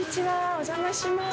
お邪魔します。